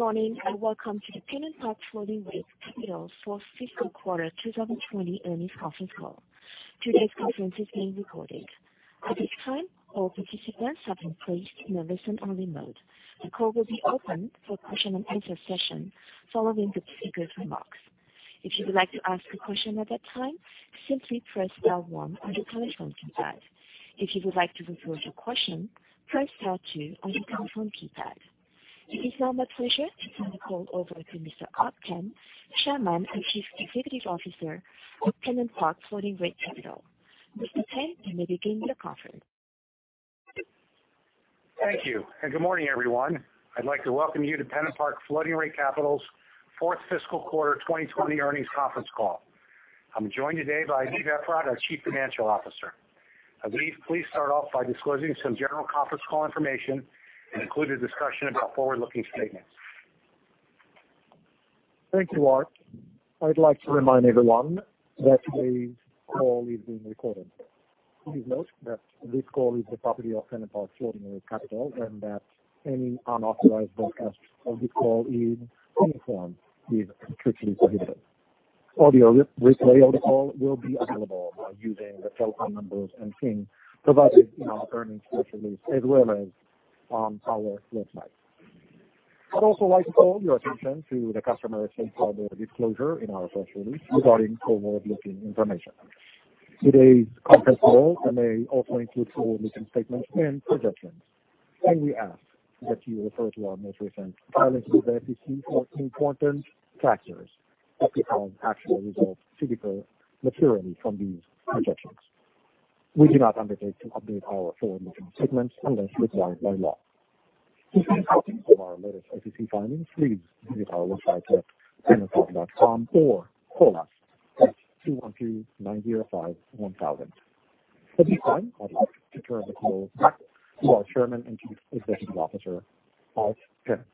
Good morning, and welcome to the PennantPark Floating Rate Capital fourth fiscal quarter 2020 earnings conference call. Today's conference is being recorded. At this time, all participants have been placed in a listen-only mode. The call will be opened for a question-and-answer session following the speakers' remarks. If you would like to ask a question at that time, simply press star one on your telephone keypad. If you would like to withdraw your question, press star two on your telephone keypad. It is now my pleasure to turn the call over to Mr. Art Penn, Chairman and Chief Executive Officer of PennantPark Floating Rate Capital. Mr. Penn, you may begin your conference. Thank you. Good morning, everyone. I'd like to welcome you to PennantPark Floating Rate Capital's fourth fiscal quarter 2020 earnings conference call. I'm joined today by Aviv Efrat, our Chief Financial Officer. Aviv, please start off by disclosing some general conference call information and include a discussion about forward-looking statements. Thank you, Art. I'd like to remind everyone that today's call is being recorded. Please note that this call is the property of PennantPark Floating Rate Capital, and that any unauthorized broadcast of this call in any form is strictly prohibited. Audio replay of the call will be available by using the telephone numbers and PIN provided in our earnings press release as well as on our website. I'd also like to call your attention to the customer safe harbor disclosure in our press release regarding forward-looking information. Today's conference call may also include forward-looking statements and projections, and we ask that you refer to our most recent filings with the SEC for important factors that could cause actual results to differ materially from these projections. We do not undertake to update our forward-looking statements unless required by law. To find copies of our latest SEC filings, please visit our website at pennantpark.com or call us at 212-95-1,000. At this time, I'd like to turn the call back to our Chairman and Chief Executive Officer, Art Penn.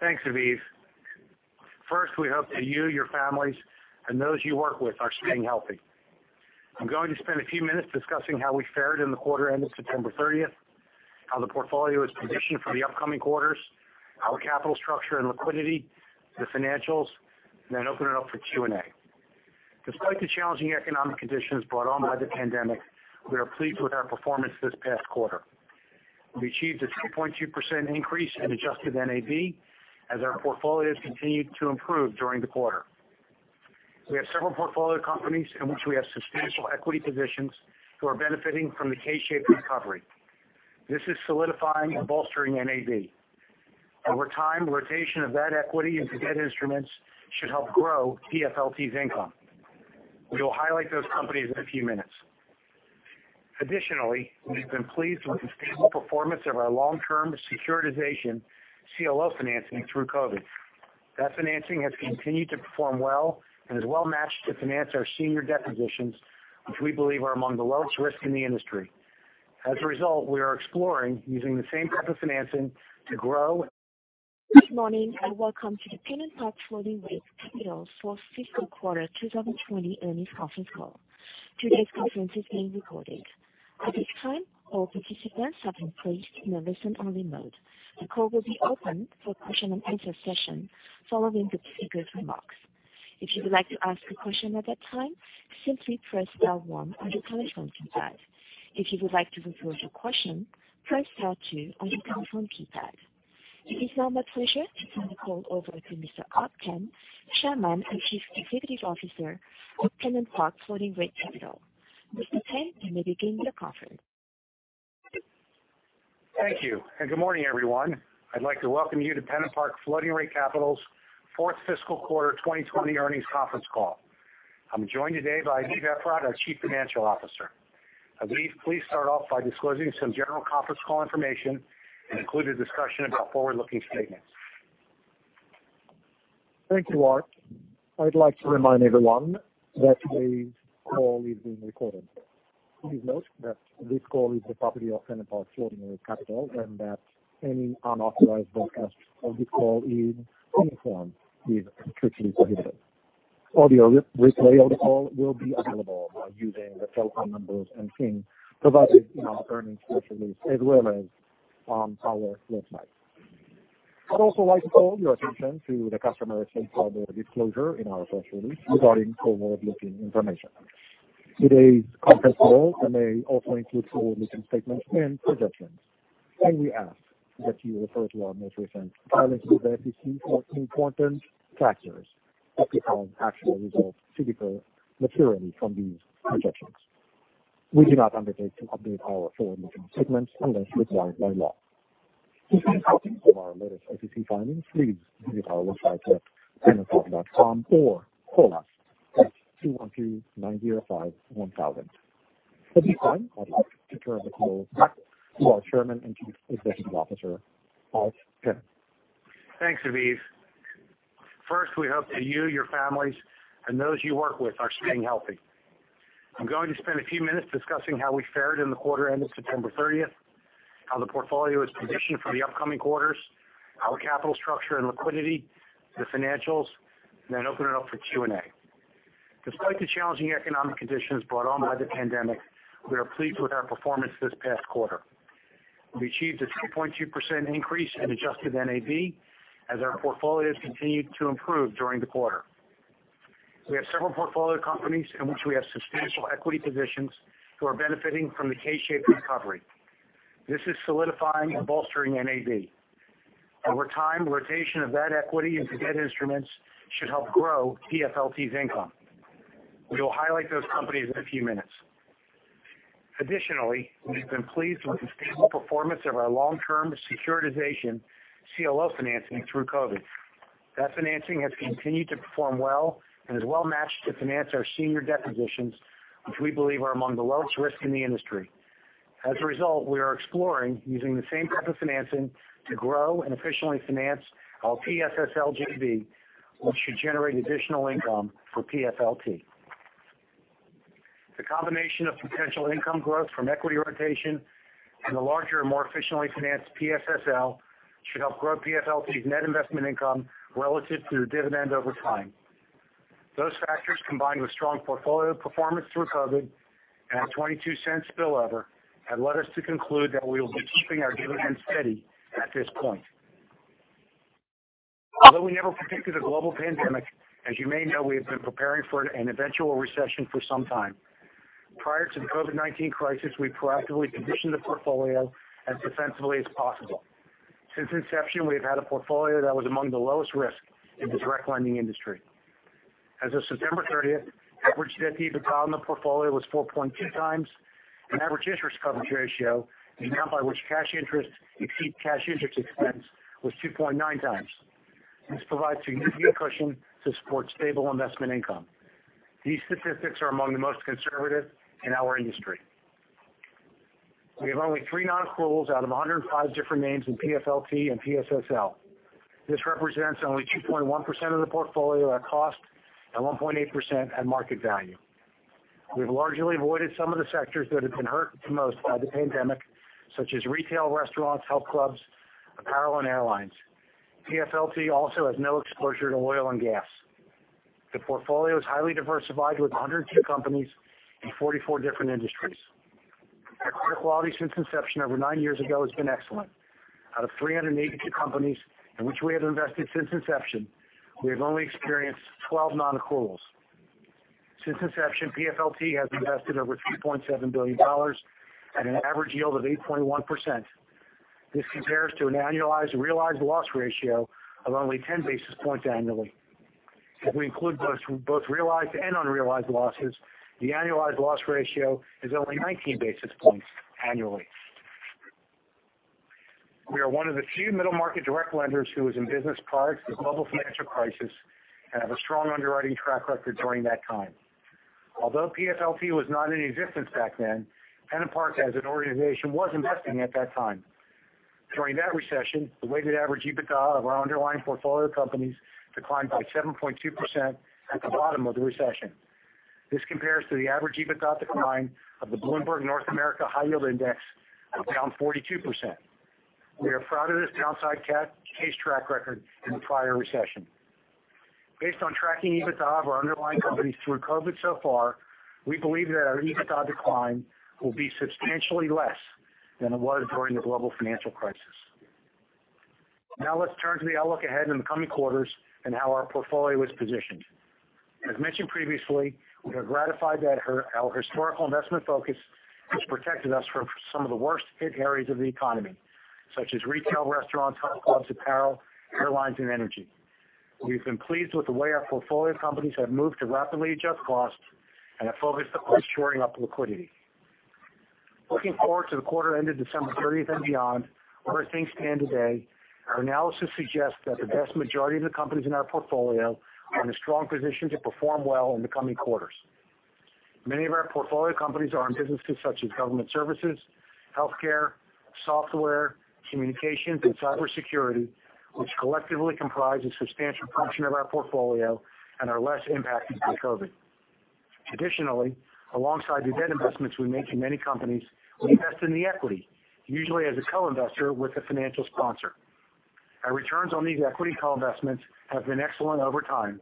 Thanks, Aviv. First, we hope that you, your families, and those you work with are staying healthy. I'm going to spend a few minutes discussing how we fared in the quarter end of September 30th, how the portfolio is positioned for the upcoming quarters, our capital structure and liquidity, the financials, and then open it up for Q&A. Despite the challenging economic conditions brought on by the pandemic, we are pleased with our performance this past quarter. We achieved a 2.2% increase in adjusted NAV as our portfolios continued to improve during the quarter. We have several portfolio companies in which we have substantial equity positions who are benefiting from the K-shaped recovery. This is solidifying and bolstering NAV. Over time, rotation of that equity into debt instruments should help grow PFLT's income. We will highlight those companies in a few minutes. Additionally, we have been pleased with the stable performance of our long-term securitization CLO financing through COVID. That financing has continued to perform well and is well matched to finance our senior debt positions, which we believe are among the lowest risk in the industry. As a result, we are exploring using the same type of financing. Good morning, welcome to the PennantPark Floating Rate Capital fourth fiscal quarter 2020 earnings conference call. Today's conference is being recorded. At this time, all participants have been placed in a listen-only mode. The call will be opened for a question-and-answer session following the speakers' remarks. If you would like to ask a question at that time, simply press star one on your telephone keypad. If you would like to withdraw your question, press star two on your telephone keypad. It is now my pleasure to turn the call over to Mr. Art Penn, Chairman and Chief Executive Officer of PennantPark Floating Rate Capital. Mr. Penn, you may begin your conference. Thank you. Good morning, everyone. I'd like to welcome you to PennantPark Floating Rate Capital's fourth fiscal quarter 2020 earnings conference call. I'm joined today by Aviv Efrat, our Chief Financial Officer. Aviv, please start off by disclosing some general conference call information and include a discussion about forward-looking statements. Thank you, Art. I'd like to remind everyone that today's call is being recorded. Please note that this call is the property of PennantPark Floating Rate Capital, and that any unauthorized broadcast of this call in any form is strictly prohibited. Audio replay of the call will be available by using the telephone numbers and PIN provided in our earnings press release as well as on our website. I'd also like to call your attention to the customer safe harbor disclosure in our press release regarding forward-looking information. Today's conference call may also include forward-looking statements and projections, and we ask that you refer to our most recent filings with the SEC for important factors that could cause actual results to differ materially from these projections. We do not undertake to update our forward-looking statements unless required by law. To find copies of our latest SEC filings, please visit our website at pennantpark.com or call us at 212-951-0000. At this time, I'd like to turn the call back to our Chairman and Chief Executive Officer, Art Penn. Thanks, Aviv. First, we hope that you, your families, and those you work with are staying healthy. I'm going to spend a few minutes discussing how we fared in the quarter end of September 30th, how the portfolio is positioned for the upcoming quarters, our capital structure and liquidity, the financials, and then open it up for Q&A. Despite the challenging economic conditions brought on by the pandemic, we are pleased with our performance this past quarter. We achieved a 2.2% increase in adjusted NAV as our portfolios continued to improve during the quarter. We have several portfolio companies in which we have substantial equity positions who are benefiting from the K-shaped recovery. This is solidifying and bolstering NAV. Over time, rotation of that equity into debt instruments should help grow PFLT's income. We will highlight those companies in a few minutes. Additionally, we have been pleased with the stable performance of our long-term securitization CLO financing through COVID. That financing has continued to perform well and is well matched to finance our senior debt positions, which we believe are among the lowest risk in the industry. As a result, we are exploring using the same type of financing to grow and efficiently finance our PSSL JV, which should generate additional income for PFLT. The combination of potential income growth from equity rotation and the larger, more efficiently financed PSSL should help grow PFLT's net investment income relative to the dividend over time. Those factors, combined with strong portfolio performance through COVID and our $0.22 spillover, have led us to conclude that we will be keeping our dividend steady at this point. Although we never predicted a global pandemic, as you may know, we have been preparing for an eventual recession for some time. Prior to the COVID-19 crisis, we proactively positioned the portfolio as defensively as possible. Since inception, we have had a portfolio that was among the lowest risk in the direct lending industry. As of September 30th, average debt EBITDA in the portfolio was 4.2x, and average interest coverage ratio, the amount by which cash interest exceed cash interest expense, was 2.9x. This provides a unique cushion to support stable investment income. These statistics are among the most conservative in our industry. We have only three non-accruals out of 105 different names in PFLT and PSSL. This represents only 2.1% of the portfolio at cost and 1.8% at market value. We've largely avoided some of the sectors that have been hurt the most by the pandemic, such as retail, restaurants, health clubs, apparel, and airlines. PFLT also has no exposure to oil and gas. The portfolio is highly diversified with 102 companies in 44 different industries. Our credit quality since inception over nine years ago has been excellent. Out of 382 companies in which we have invested since inception, we have only experienced 12 non-accruals. Since inception, PFLT has invested over $3.7 billion at an average yield of 8.1%. This compares to an annualized realized loss ratio of only 10 basis points annually. If we include both realized and unrealized losses, the annualized loss ratio is only 19 basis points annually. We are one of the few middle-market direct lenders who was in business prior to the global financial crisis and have a strong underwriting track record during that time. Although PFLT was not in existence back then, PennantPark as an organization was investing at that time. During that recession, the weighted average EBITDA of our underlying portfolio companies declined by 7.2% at the bottom of the recession. This compares to the average EBITDA decline of the Bloomberg US Corporate High Yield Bond Index of down 42%. We are proud of this downside case track record in the prior recession. Based on tracking EBITDA of our underlying companies through COVID so far, we believe that our EBITDA decline will be substantially less than it was during the global financial crisis. Now let's turn to the outlook ahead in the coming quarters and how our portfolio is positioned. As mentioned previously, we are gratified that our historical investment focus has protected us from some of the worst-hit areas of the economy, such as retail, restaurants, health clubs, apparel, airlines, and energy. We've been pleased with the way our portfolio companies have moved to rapidly adjust costs and have focused upon shoring up liquidity. Looking forward to the quarter ended December 30th and beyond where things stand today, our analysis suggests that the vast majority of the companies in our portfolio are in a strong position to perform well in the coming quarters. Many of our portfolio companies are in businesses such as government services, healthcare, software, communications, and cybersecurity, which collectively comprise a substantial portion of our portfolio and are less impacted by COVID. Additionally, alongside the debt investments we make in many companies, we invest in the equity, usually as a co-investor with a financial sponsor. Our returns on these equity co-investments have been excellent over time.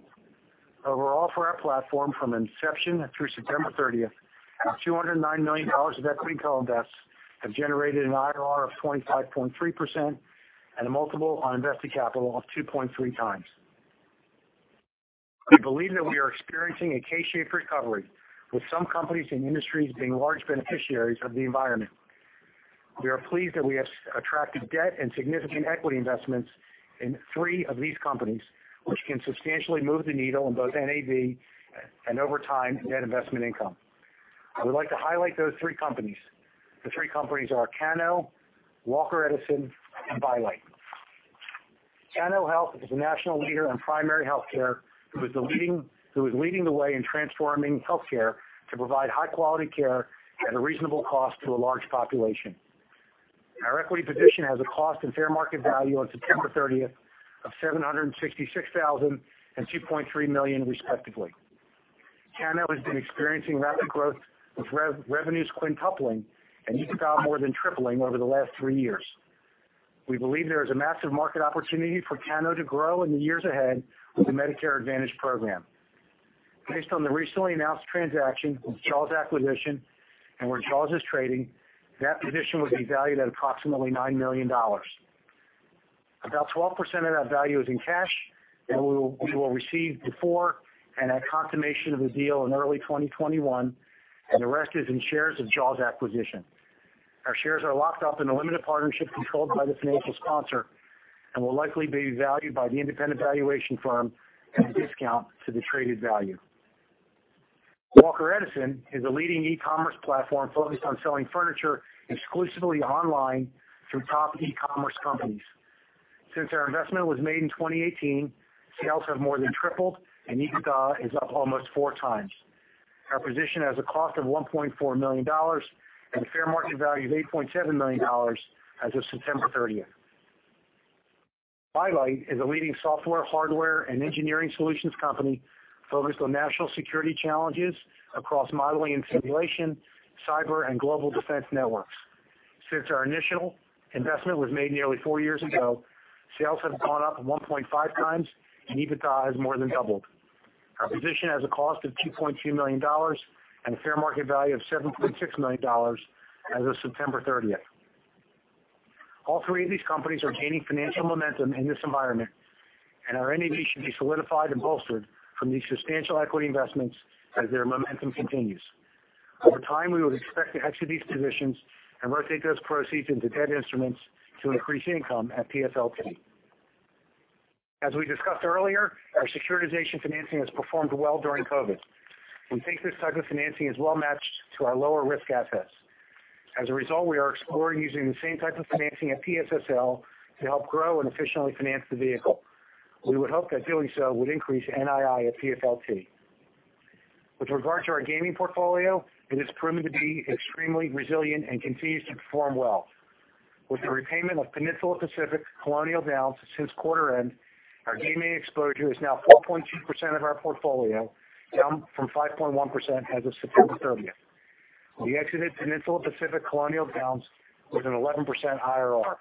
Overall, for our platform from inception through September 30th, our $209 million of equity co-invests have generated an IRR of 25.3% and a multiple on invested capital of 2.3x. We believe that we are experiencing a K-shaped recovery, with some companies and industries being large beneficiaries of the environment. We are pleased that we have attracted debt and significant equity investments in three of these companies, which can substantially move the needle in both NAV and over time, net investment income. I would like to highlight those three companies. The three companies are Cano, Walker Edison, and By Light. Cano Health is a national leader in primary healthcare who is leading the way in transforming healthcare to provide high-quality care at a reasonable cost to a large population. Our equity position has a cost and fair market value on September 30th of $766,000 and $2.3 million, respectively. Cano has been experiencing rapid growth, with revenues quintupling and EBITDA more than tripling over the last three years. We believe there is a massive market opportunity for Cano to grow in the years ahead with the Medicare Advantage program. Based on the recently announced transaction with JAWS Acquisition and where JAWS is trading, that position would be valued at approximately $9 million. About 12% of that value is in cash, which we will receive before and at consummation of the deal in early 2021, and the rest is in shares of JAWS Acquisition. Our shares are locked up in a limited partnership controlled by the financial sponsor and will likely be valued by the independent valuation firm at a discount to the traded value. Walker Edison is a leading e-commerce platform focused on selling furniture exclusively online through top e-commerce companies. Since our investment was made in 2018, sales have more than tripled and EBITDA is up almost 4x. Our position has a cost of $1.4 million and a fair market value of $8.7 million as of September 30th. By Light is a leading software, hardware, and engineering solutions company focused on national security challenges across modeling and simulation, cyber and global defense networks. Since our initial investment was made nearly four years ago, sales have gone up 1.5x and EBITDA has more than doubled. Our position has a cost of $2.2 million and a fair market value of $7.6 million as of September 30th. All three of these companies are gaining financial momentum in this environment, and our NAV should be solidified and bolstered from these substantial equity investments as their momentum continues. Over time, we would expect to exit these positions and rotate those proceeds into debt instruments to increase income at PFLT. As we discussed earlier, our securitization financing has performed well during COVID-19. We think this type of financing is well-matched to our lower risk assets. As a result, we are exploring using the same type of financing at PSSL to help grow and efficiently finance the vehicle. We would hope that doing so would increase NII at PFLT. With regard to our gaming portfolio, it has proven to be extremely resilient and continues to perform well. With the repayment of Peninsula Pacific Colonial Downs since quarter end, our gaming exposure is now 4.2% of our portfolio, down from 5.1% as of September 30th. We exited Peninsula Pacific Colonial Downs with an 11% IRR.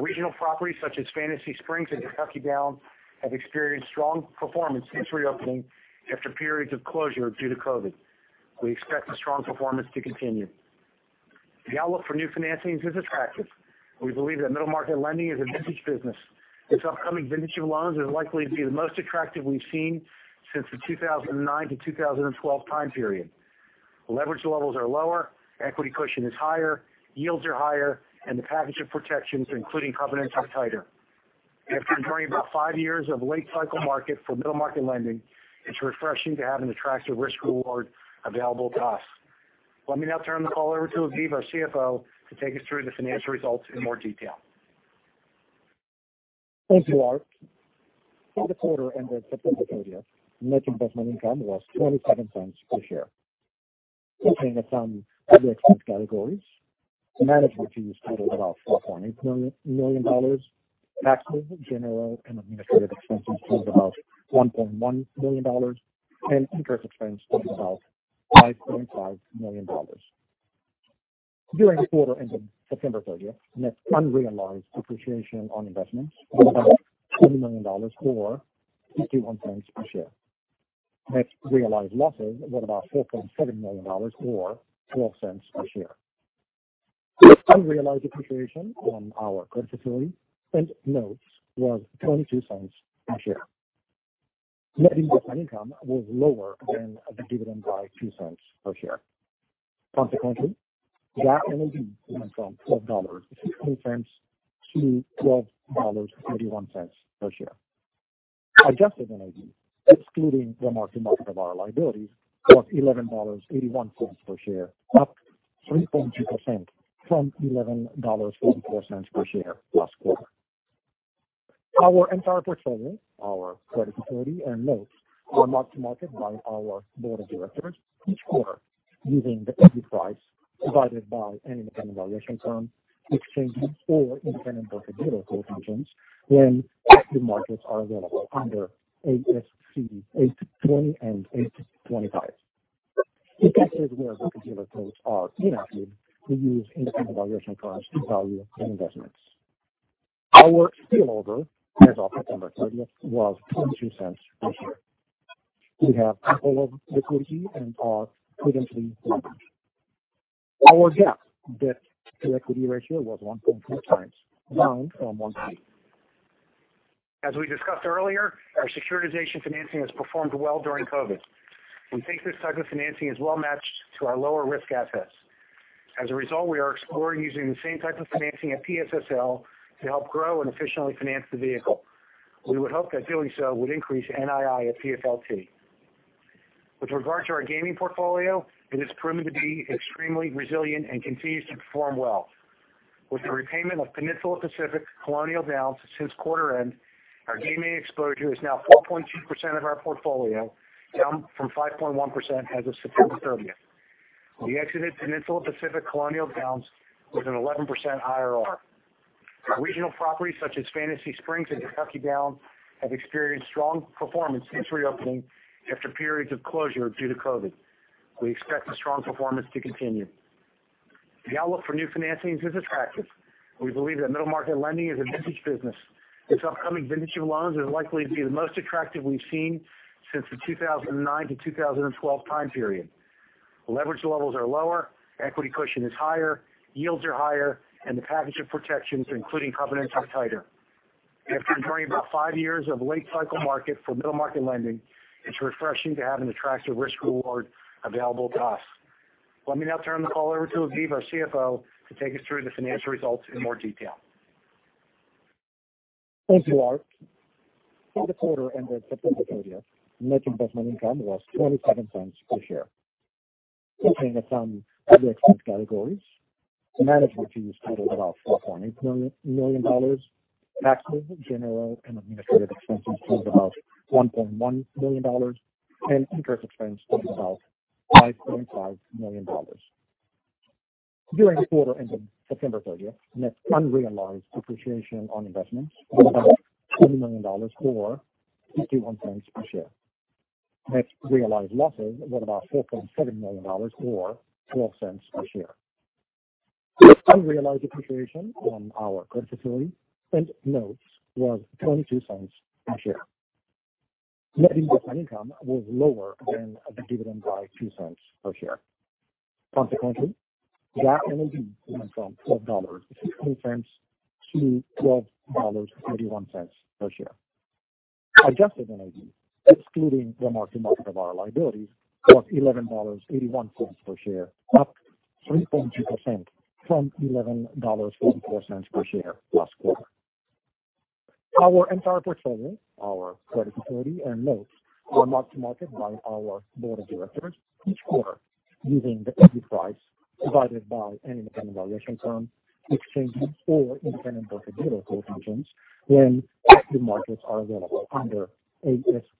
Regional properties such as Fantasy Springs and Kentucky Downs have experienced strong performance since reopening after periods of closure due to COVID. We expect the strong performance to continue. The outlook for new financings is attractive. We believe that middle market lending is a vintage business. This upcoming vintage of loans is likely to be the most attractive we've seen since the 2009 to 2012 time period. Leverage levels are lower, equity cushion is higher, yields are higher, management fees totaled about $4.8 million. Taxes, general and administrative expenses totaled about $1.1 million, and interest expense totaled about $5.5 million. During the quarter ended September 30th, net unrealized depreciation on investments was about $20 million, or $0.51 per share. Net realized losses were about $4.7 million, or $0.12 per share. Unrealized appreciation on our credit facility and notes was $0.22 per share. Net investment income was lower than the dividend by $0.02 per share. Consequently, GAAP NAV went from $12.60 to $12.31 per share. Adjusted NAV, excluding the mark-to-market of our liabilities, was $11.81 per share, up 3.2% from $11.44 per share last quarter. Our entire portfolio, our credit facility, and notes are marked to market by our board of directors each quarter using the equity price provided by an independent valuation firm, exchanges or independent broker-dealer quotations when active markets are available under ASC 820 and 825. In cases where broker-dealer quotes are inactive, we use independent valuation firms to value the investments. Our spill over as of September 30th was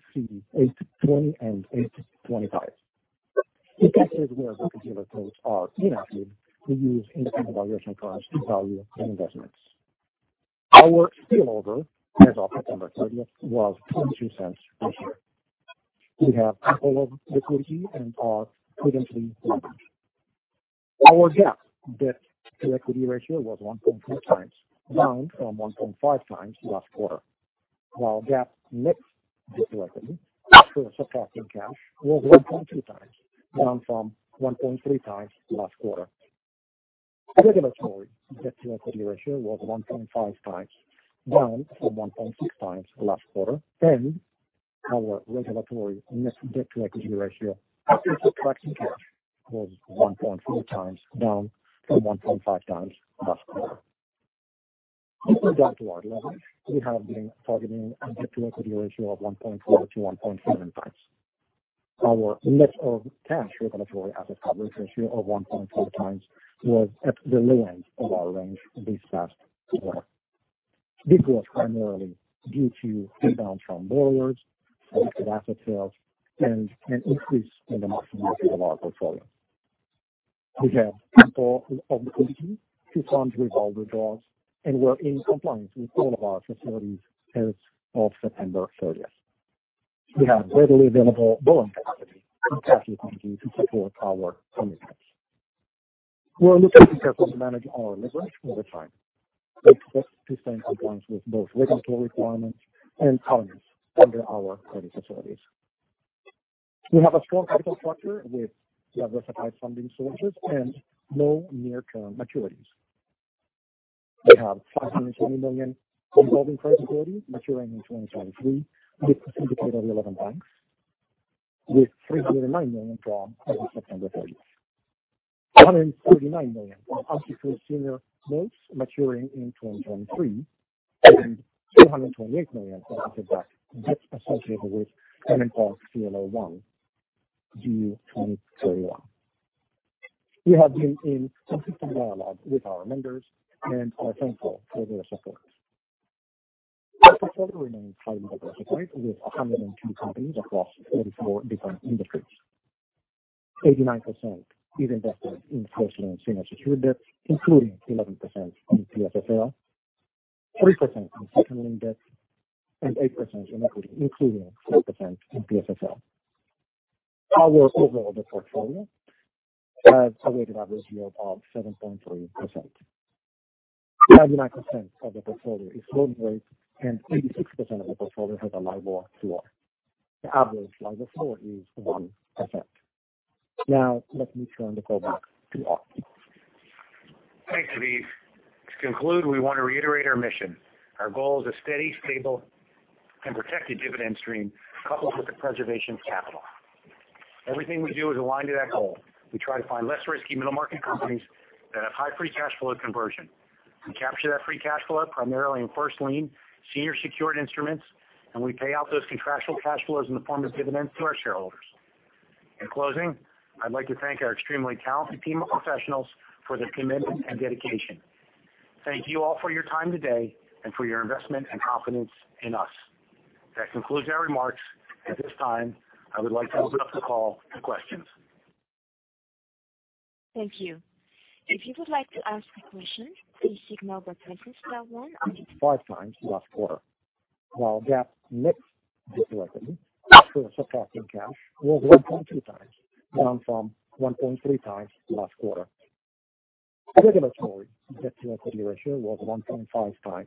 per share. We have ample liquidity and are prudently leveraged. Our GAAP debt-to-equity ratio was 1.4x, down from 1.5x last quarter. While GAAP net debt-to-equity after subtracting cash was 1.2x, down from 1.3x last quarter. Regulatory debt-to-equity ratio was 1.5x, down from 1.6x last quarter, and our regulatory net debt-to-equity ratio after subtracting cash was 1.4x, down from 1.5x last quarter. Looking down to our leverage, we have been targeting a debt-to-equity ratio of 1.4x-1.7x. Our net of cash regulatory asset coverage ratio of 1.4x was at the low end of our range this past quarter. This was primarily due to payments from borrowers, selected asset sales, and an increase in the mark-to-market of our portfolio. We have ample liquidity to fund revolving draws and were in compliance with all of our facilities as of September 30th. We have readily available borrowing capacity and cash liquidity to support our commitments. We are looking to carefully manage our leverage over time with respect to staying compliance with both regulatory requirements and covenants under our credit facilities. We have a strong capital structure with diversified funding sources and no near-term maturities. We have $570 million revolving credit facility maturing in 2023 with a syndicate of 11 banks with $309 million drawn as of September 30th. $139 million of unsecured senior notes maturing in 2023 and $228 million of preferred debt associated with PennantPark CLO I due 2031. We have been in consistent dialogue with our lenders and are thankful for their support. Our portfolio remains highly diversified with 102 companies across 44 different industries. 89% is invested in first lien senior secured debt, including 11% in PSSL, 3% in second lien debt, and 8% in equity, including 4% in PSSL. Our overall portfolio has a weighted average yield of 7.3%. 99% of the portfolio is floating rate and 86% of the portfolio has a LIBOR floor. The average LIBOR floor is 1%. Let me turn the call back to Art. Thanks, Aviv. To conclude, we want to reiterate our mission. Our goal is a steady, stable, and protected dividend stream coupled with the preservation of capital. Everything we do is aligned to that goal. We try to find less risky middle market companies that have high free cash flow conversion. We capture that free cash flow primarily in first lien senior secured instruments, and we pay out those contractual cash flows in the form of dividends to our shareholders. In closing, I'd like to thank our extremely talented team of professionals for their commitment and dedication. Thank you all for your time today and for your investment and confidence in us. That concludes our remarks. At this time, I would like to open up the call to questions. Thank you. If you would like to ask a question, please signal by pressing star one. 1.5x last quarter. While GAAP net debt-to-equity after subtracting cash was 1.2x, down from 1.3x last quarter. The regulatory debt-to-equity ratio was 1.5x,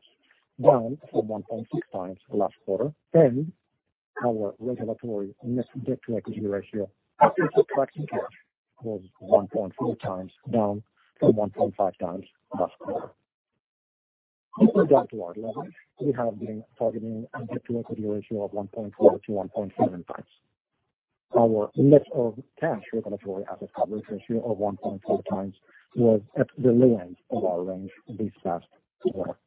down from 1.6x last quarter. Our regulatory net debt-to-equity ratio after subtracting cash was 1.4x, down from 1.5x last quarter. This was down to our level. We have been targeting a debt-to-equity ratio of 1.4x-1.7x. Our net of cash regulatory asset coverage ratio of 1.4x was at the low end of our range this past quarter.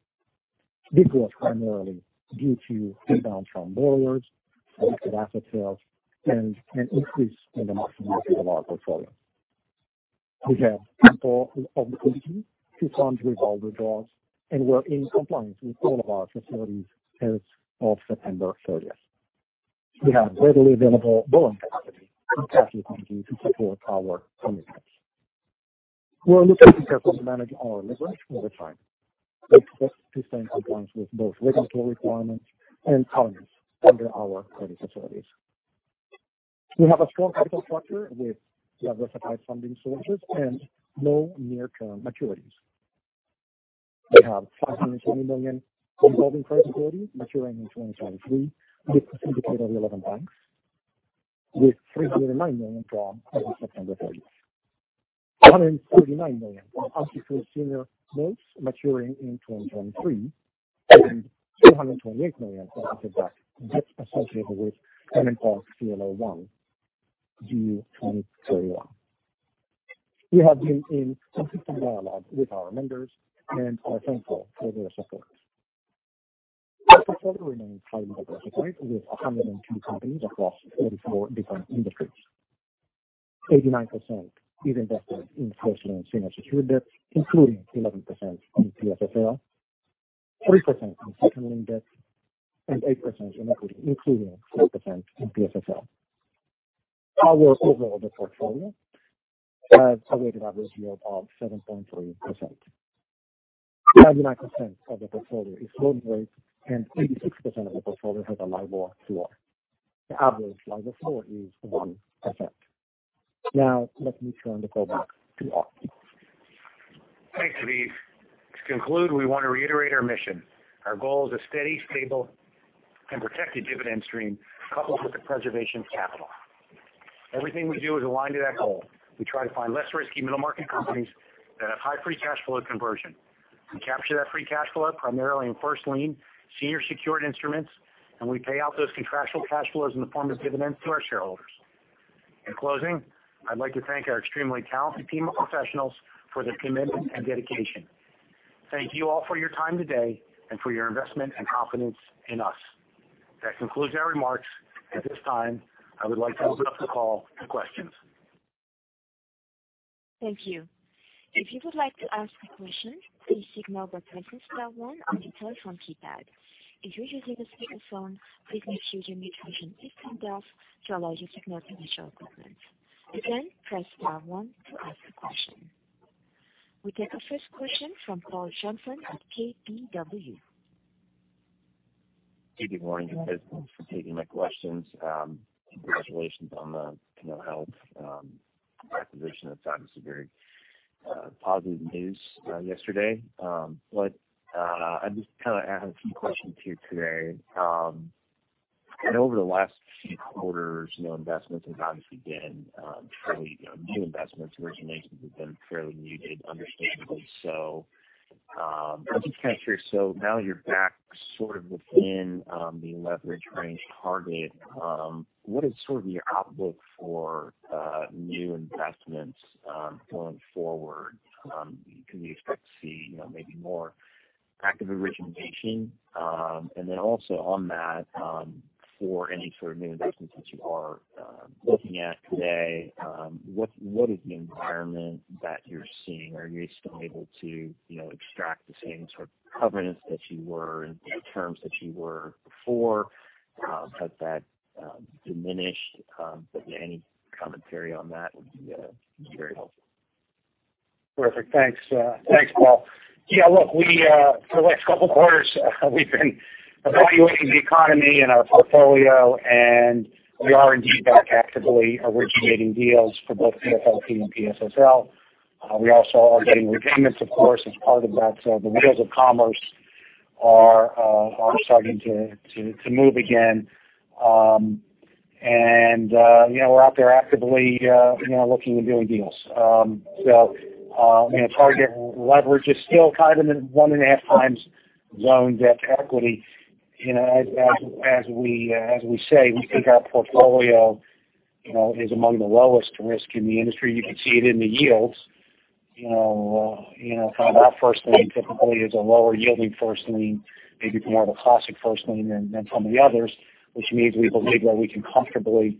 This was primarily due to payments from borrowers, selected asset sales, and an increase in the maturity of our portfolio. We have ample liquidity to fund revolving draws and we're in compliance with all of our facilities as of September 30th. We have readily available borrowing capacity and cash liquidity to support our commitments. We are looking to carefully manage our leverage over time with respect to staying compliance with both regulatory requirements and covenants under our credit facilities. We have a strong capital structure with diversified funding sources and no near-term maturities. We have a $570 million revolving credit facility maturing in 2023 with a syndicate of 11 banks, with $309 million drawn as of September 30th. $139 million in unsecured senior notes maturing in 2023, and $228 million of preferred debt associated with PennantPark CLO I due 2031. We have been in consistent dialogue with our lenders and are thankful for their support. Our portfolio remains highly diversified with 102 companies across 44 different industries. 89% is invested in first lien senior secured debt, including 11% in PSSL, 3% in second lien debt, and 8% in equity, including 4% in PSSL. Our overall debt portfolio has a weighted average yield of 7.3%. 99% of the portfolio is floating rate, and 86% of the portfolio has a LIBOR floor. The average LIBOR floor is 1%. Now, let me turn the call back to Art. Thanks, Aviv. To conclude, we want to reiterate our mission. Our goal is a steady, stable, and protected dividend stream coupled with the preservation of capital. Everything we do is aligned to that goal. We try to find less risky middle market companies that have high free cash flow conversion. We capture that free cash flow primarily in first lien senior secured instruments, and we pay out those contractual cash flows in the form of dividends to our shareholders. In closing, I'd like to thank our extremely talented team of professionals for their commitment and dedication. Thank you all for your time today and for your investment and confidence in us. That concludes our remarks. At this time, I would like to open up the call to questions. Thank you. If you would like to ask a question, please signal by pressing star one on your telephone keypad. If you're using a speakerphone, please mute your mute function if turned off to allow you to signal through your equipment. Again, press star one to ask a question. We take our first question from Paul Johnson at KBW. Good morning. Thanks for taking my questions. Congratulations on the [Pinnacle Health] acquisition. That is obviously very positive news yesterday. I just have a few questions for you today. I know over the last few quarters, investments have obviously been fairly new investments, originations have been fairly muted, understandably so. I was just curious, now you're back sort of within the leverage range target. What is sort of your outlook for new investments going forward? Can we expect to see maybe more active origination? Also on that, for any sort of new investments that you are looking at today, what is the environment that you're seeing? Are you still able to extract the same sort of covenants that you were and terms that you were before? Has that diminished? Any commentary on that would be very helpful. Perfect. Thanks. Thanks, Paul. Look, for the last couple of quarters, we've been evaluating the economy and our portfolio, and we are indeed back actively originating deals for both PFLT and PSSL. We also are getting repayments, of course, as part of that. The wheels of commerce are starting to move again. We're out there actively looking and doing deals. Target leverage is still kind of in the 1.5x loan debt-to-equity. As we say, we think our portfolio is among the lowest risk in the industry. You can see it in the yields. Our first lien typically is a lower yielding first lien, maybe more of a classic first lien than some of the others, which means we believe that we can comfortably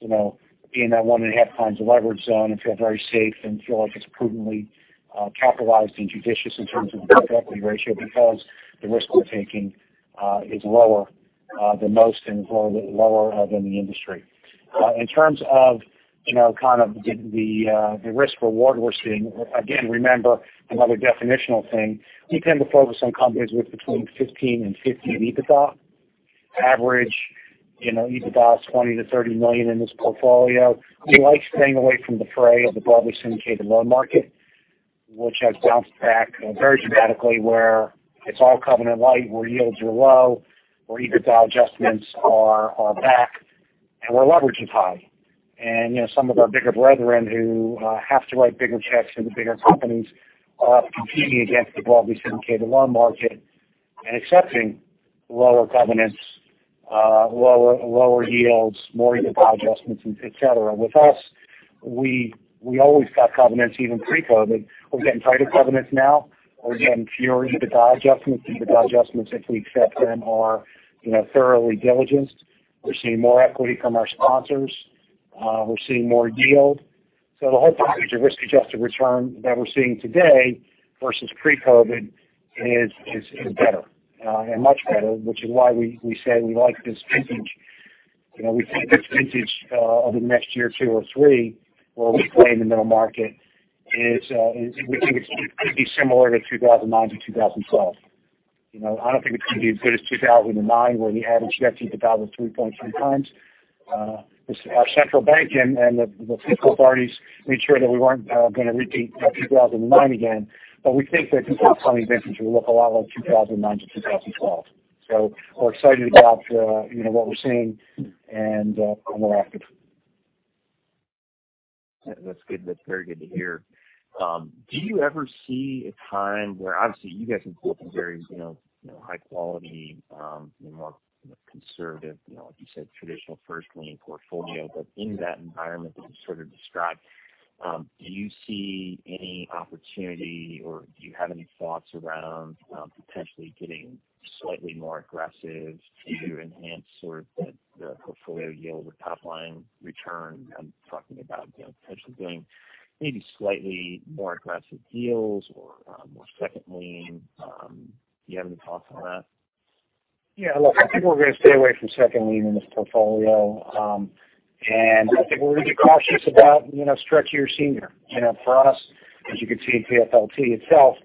be in that 1.5x leverage zone and feel very safe and feel like it's prudently capitalized and judicious in terms of the debt equity ratio because the risk we're taking is lower. The most and lower than the industry. In terms of the risk reward we're seeing, again, remember another definitional thing, we tend to focus on companies with between 15 and 50 in EBITDA. Average EBITDA is $20 million-$30 million in this portfolio. We like staying away from the fray of the broadly syndicated loan market, which has bounced back very dramatically, where it's all covenant light, where yields are low, where EBITDA adjustments are back, and where leverage is high. Some of our bigger brethren who have to write bigger checks into bigger companies are competing against the broadly syndicated loan market and accepting lower covenants, lower yields, more EBITDA adjustments, et cetera. With us, we always got covenants even pre-COVID. We're getting tighter covenants now. We're getting fewer EBITDA adjustments. EBITDA adjustments, if we accept them, are thoroughly diligenced. We're seeing more equity from our sponsors. We're seeing more yield. The whole package of risk-adjusted return that we're seeing today versus pre-COVID is better, and much better, which is why we say we like this vintage. We think this vintage over the next year or two or three, where we play in the middle market, we think it's going to be similar to 2009-2012. I don't think it's going to be as good as 2009, where the average debt-to-EBITDA was 3.3x. The fiscal parties made sure that we weren't going to repeat 2009 again. We think that this upcoming vintage will look a lot like 2009 to 2012. We're excited about what we're seeing, and we're active. That's very good to hear. Do you ever see a time where, obviously, you guys can pull up a very high quality, more conservative, like you said, traditional first lien portfolio? In that environment that you described, do you see any opportunity, or do you have any thoughts around potentially getting slightly more aggressive to enhance the portfolio yield or top-line return? I'm talking about potentially doing maybe slightly more aggressive deals or more second lien. Do you have any thoughts on that? Yeah. Look, I think we're going to stay away from second lien in this portfolio. I think we're going to be cautious about stretchier senior. For us, as you can see in PFLT itself,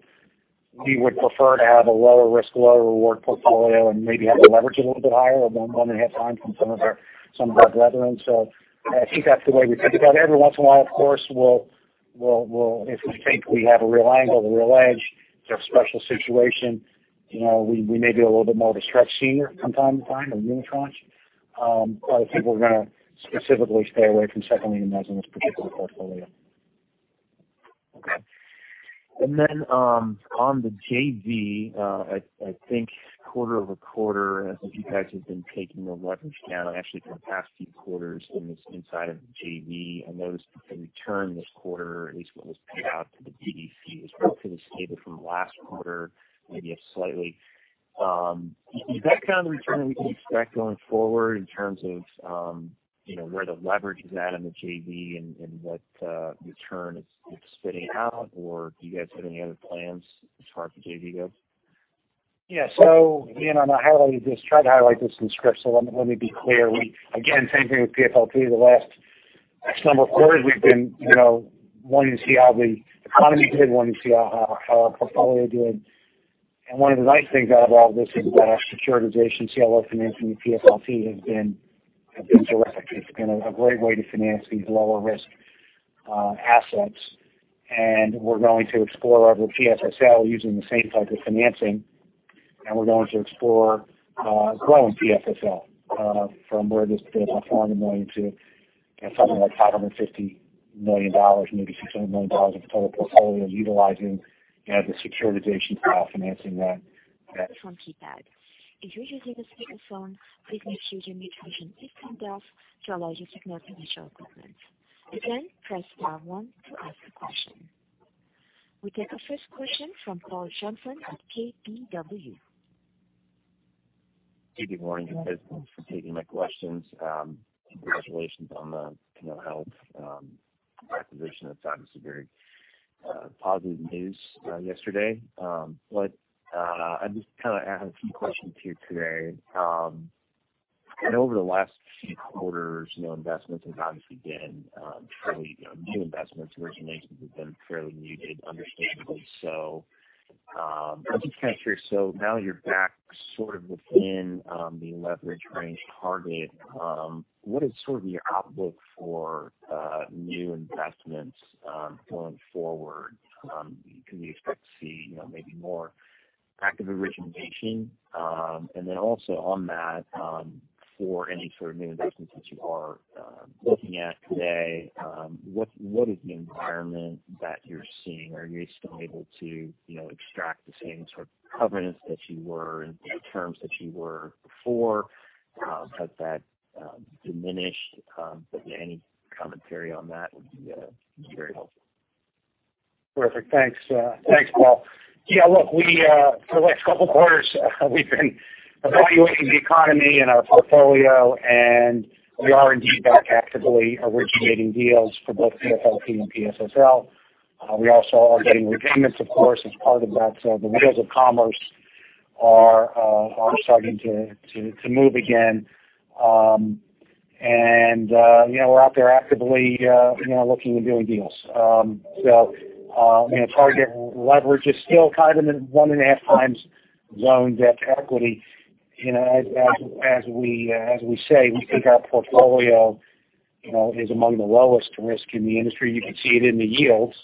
we would prefer to have a lower risk, lower reward portfolio and maybe have the leverage a little bit higher of 1.5x from some of our brethren. I think that's the way we think about it. Every once in a while, of course, if we think we have a real angle, a real edge to a special situation, we may be a little bit more of a stretch senior from time to time or unitranche. I think we're going to specifically stay away from second lien investing in this particular portfolio. Okay. On the JV, I think quarter-over-quarter, I think you guys have been taking the leverage down actually for the past few quarters inside of the JV. I noticed the return this quarter, at least what was paid out to the BDC, is relatively stable from last quarter, maybe up slightly. Is that kind of the return we can expect going forward in terms of where the leverage is at in the JV and what return it's spitting out, or do you guys have any other plans as far as the JV goes? Yeah. Again, I'm going to try to highlight this in script, so let me be clear. Again, same thing with PFLT. The last X number of quarters we've been wanting to see how the economy did, wanting to see how our portfolio did. One of the nice things out of all this is that securitization, CLO financing of PFLT has been terrific. It's been a great way to finance these lower risk assets. We're going to explore our PSSL using the same type of financing, and we're going to explore growing PSSL from where it is today of $400 million to something like $550 million, maybe $600 million of total portfolio utilizing the securitization CLO financing that- We take the first question from Paul Johnson at KBW. Good morning, and thanks for taking my questions. Congratulations on the Pennant Health acquisition. That's obviously very positive news yesterday. I just have a few questions for you today. I know over the last few quarters, investments have obviously been fairly new investments. Originations have been fairly muted, understandably so. I'm just kind of curious. Now you're back within the leverage range target. What is your outlook for new investments going forward? Can we expect to see maybe more active origination? Also on that, for any sort of new investments that you are looking at today, what is the environment that you're seeing? Are you still able to extract the same sort of covenants that you were and terms that you were before? Has that diminished? Any commentary on that would be very helpful. Perfect. Thanks. Thanks, Paul. Yeah, look, for the last couple of quarters, we've been evaluating the economy and our portfolio, and we are indeed back actively originating deals for both PFLT and PSSL. We also are getting repayments, of course, as part of that. The wheels of commerce are starting to move again. We're out there actively looking and doing deals. Target leverage is still kind of in the 1.5x loan debt-to-equity. As we say, we think our portfolio is among the lowest risk in the industry. You can see it in the yields.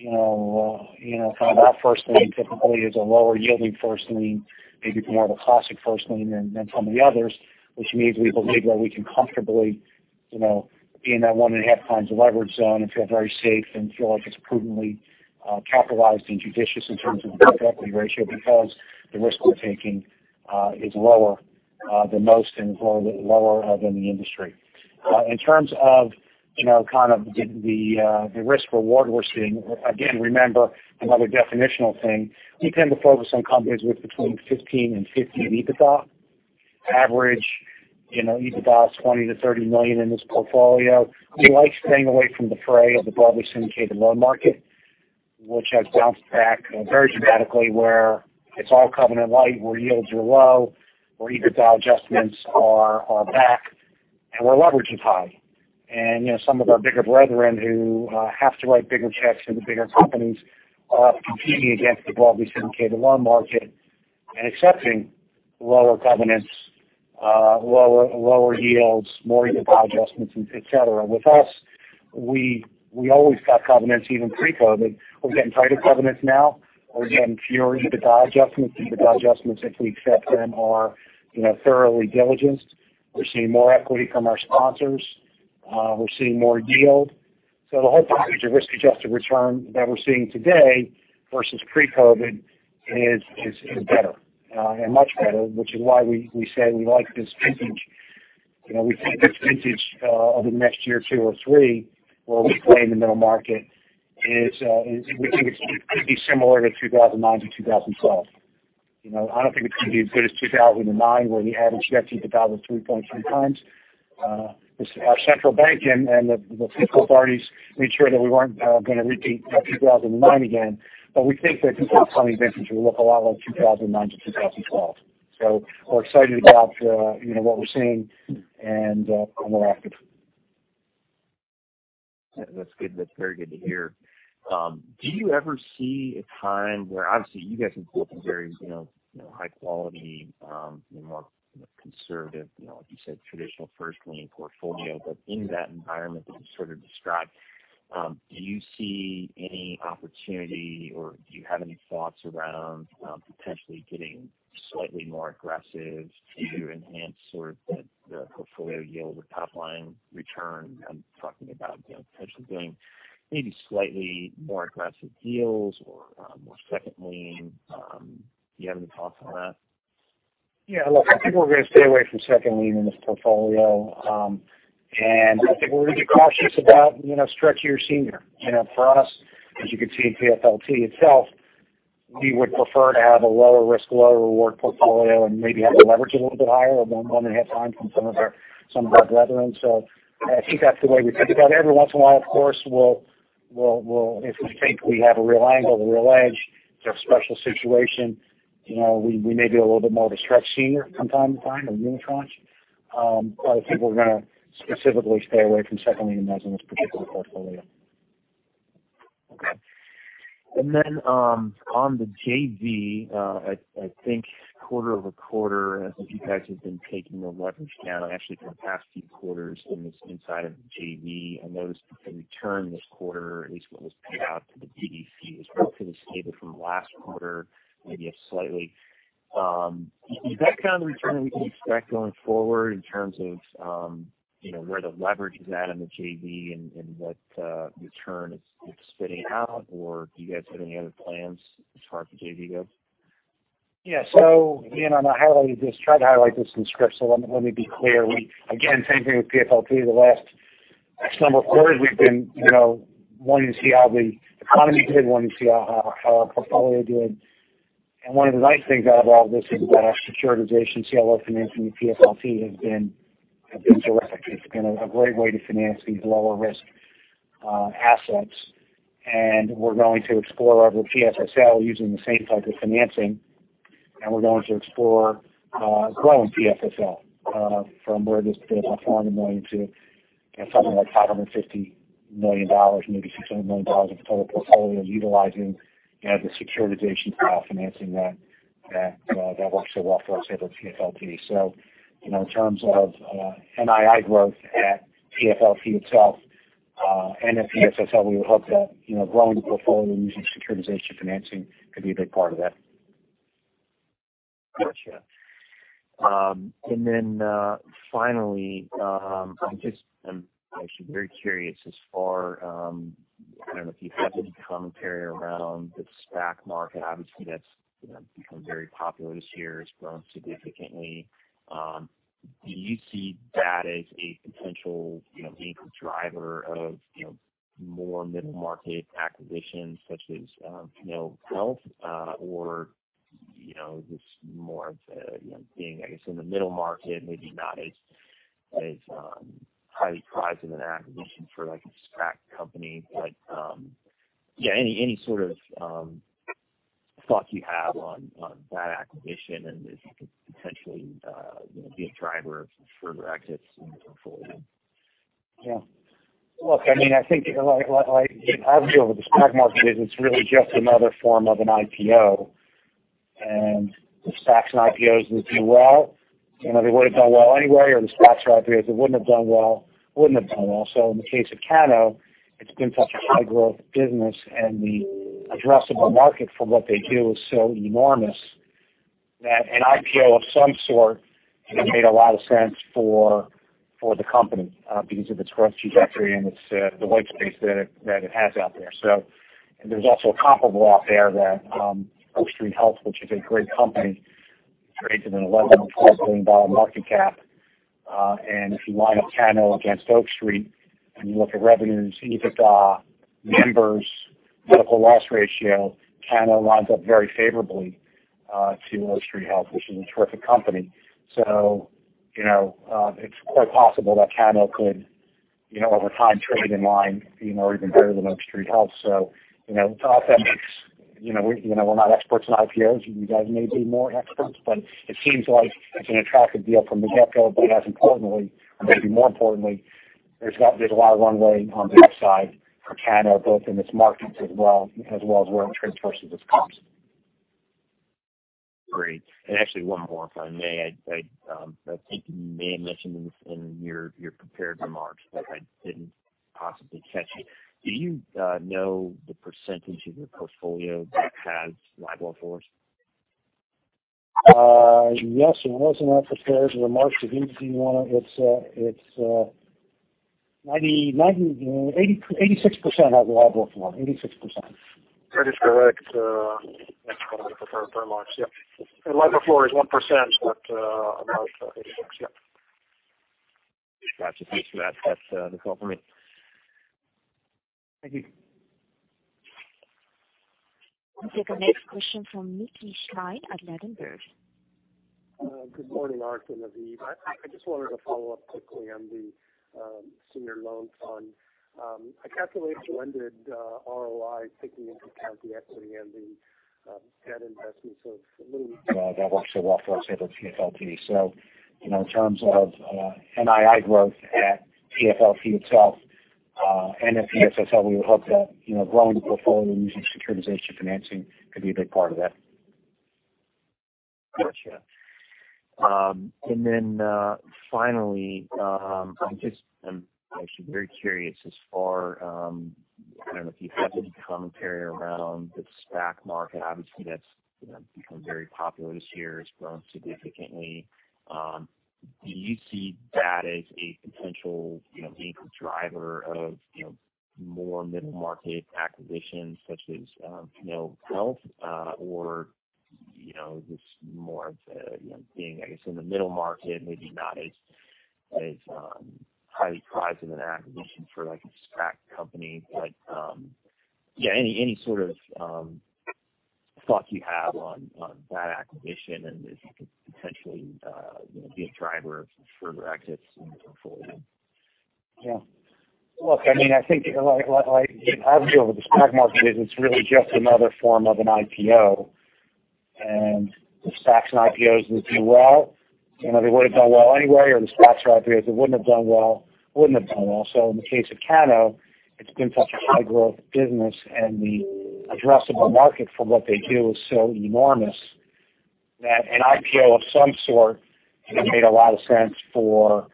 From our first lien typically is a lower yielding first lien, maybe more of a classic first lien than some of the others, which means we believe that we can comfortably be in that 1.5x leverage zone and feel very safe and feel like it's prudently capitalized and judicious in terms of the debt equity ratio, because the risk we're taking is lower than most and lower than the industry. In terms of the risk reward we're seeing, again, remember another definitional thing. We tend to focus on companies with between 15 and 50 in EBITDA. Average EBITDA is $20 million-$30 million in this portfolio. We like staying away from the fray of the broadly syndicated loan market, which has bounced back very dramatically, where it's all covenant light, where yields are low, where EBITDA adjustments are back, where leverage is high. Some of our bigger brethren who have to write bigger checks into bigger companies are competing against the broadly syndicated loan market and accepting lower covenants, lower yields, more EBITDA adjustments, et cetera. With us, we always got covenants even pre-COVID. We're getting tighter covenants now. We're getting fewer EBITDA adjustments. EBITDA adjustments, if we accept them, are thoroughly diligenced. We're seeing more equity from our sponsors. We're seeing more yield. The whole package of risk-adjusted return that we're seeing today versus pre-COVID is better, and much better, which is why we say we like this vintage. We think this vintage, over the next year or two or three, where we play in the middle market, we think it's going to be similar to 2009 to 2012. I don't think it's going to be as good as 2009, where we had an debt-to-EBITDA of 3.3x. The fiscal parties made sure that we weren't going to repeat 2009 again. We think that this upcoming vintage will look a lot like 2009 to 2012. We're excited about what we're seeing, and we're active. That's very good to hear. Do you ever see a time, obviously, you guys can pull up in very high quality, more conservative, like you said, traditional first lien portfolio. In that environment that you sort of described, do you see any opportunity, or do you have any thoughts around potentially getting slightly more aggressive to enhance sort of the portfolio yield or top-line return? I'm talking about potentially doing maybe slightly more aggressive deals or more second lien. Do you have any thoughts on that? Look, I think we're going to stay away from second lien in this portfolio. I think we're going to be cautious about stretchier senior. For us, as you can see in PFLT itself, we would prefer to have a lower risk, lower reward portfolio and maybe have the leverage a little bit higher above 1.5x from some of our brethren. I think that's the way we think about it. Every once in a while, of course, if we think we have a real angle, a real edge, if there's a special situation, we may be a little bit more of a stretch senior from time to time or unitranche. I think we're going to specifically stay away from second lien loans in this particular portfolio. Okay. On the JV, I think quarter-over-quarter, I think you guys have been taking the leverage down actually for the past few quarters inside of the JV. I noticed the return this quarter, at least what was paid out to the BDC, was roughly the same as from last quarter, maybe slightly. Is that kind of the return that we can expect going forward in terms of where the leverage is at in the JV and what return it's spitting out, or do you guys have any other plans as far as the JV goes? Yeah. Again, I'm going to highlight this. Tried to highlight this in the script, so let me be clear. Again, same thing with PFLT. The last X number of quarters, we've been wanting to see how the economy did, wanting to see how our portfolio did. One of the nice things out of all this is that securitization, CLO financing of PFLT has been terrific. It's been a great way to finance these lower-risk assets. We're going to explore our PSSL using the same type of financing, and we're going to explore growing PSSL from where it is today of $400 million to something like $550 million, maybe $600 million of total portfolio, utilizing the securitization financing that works so well for us, able to PFLT. In terms of NII growth at PFLT itself, and at PSSL, we would hope that growing the portfolio using securitization financing could be a big part of that. Got you. Finally, I'm actually very curious. I don't know if you have any commentary around the SPAC market. Obviously, that's become very popular this year, it's grown significantly. Do you see that as a potential anchor driver of more middle market acquisitions such as health or just more of being, I guess, in the middle market, maybe not as highly prized of an acquisition for a SPAC company. Any sort of thought you have on that acquisition and if it could potentially be a driver of some further exits in the portfolio. Yeah. Look, I think how we deal with the SPAC market is it's really just another form of an IPO, and the SPACs and IPOs that do well, they would've done well anyway, or the SPACs or IPOs that wouldn't have done well, wouldn't have done well. In the case of Cano, it's been such a high growth business and the addressable market for what they do is so enormous that an IPO of some sort made a lot of sense for the company because of its growth trajectory and the white space that it has out there. There's also a comparable out there that Oak Street Health, which is a great company, trades at an $11 or $12 billion market cap. If you line up Cano against Oak Street Health and you look at revenues, EBITDA, members, medical loss ratio, Cano lines up very favorably to Oak Street Health, which is a terrific company. It's quite possible that Cano could over time trade in line even better than Oak Street Health. To us, we're not experts in IPOs. You guys may be more experts, but it seems like it's an attractive deal from the get-go. As importantly, or maybe more importantly, there's a lot of runway on the upside for Cano, both in its markets as well as where it trades versus its comps. Great. Actually, one more, if I may. I think you may have mentioned this in your prepared remarks that I didn't possibly catch. Do you know the percentage of your portfolio that has LIBOR floors? Yes. It was in our prepared remarks. If you want to, it's 86% has LIBOR floor. 86%. That is correct. That's covered in the prepared remarks. Yeah. LIBOR floor is 1%, but about 86. Yeah. Gotcha. Thanks for that. That's all for me. Thank you. We'll take the next question from Mickey Schleien at Ladenburg. Good morning, Art and Aviv. I just wanted to follow up quickly on the senior loan fund. I calculated when did ROI, taking into account the equity and the debt investments. That works for us able to PFLT. In terms of NII growth at PFLT itself and at PSSL, we would hope that growing the portfolio using securitization financing could be a big part of that. Gotcha. Finally, I'm actually very curious. I don't know if you have any commentary around the SPAC market. That's become very popular this year. It's grown significantly. Do you see that as a potential anchor driver of more middle market acquisitions such as Cano Health? Just more of being, I guess, in the middle market, maybe not as highly prized of an acquisition for a SPAC company. Any sort of thought you have on that acquisition and if it could potentially be a driver of some further exits in the portfolio. Yeah. Look, I think how we deal with the SPAC market is it's really just another form of an IPO, and the SPACs and IPOs that do well, they would've done well anyway, or the SPACs or IPOs that wouldn't have done well, wouldn't have done well. In the case of Cano, it's been such a high growth business and the addressable market for what they do is so enormous that an IPO of some sort made a lot of sense for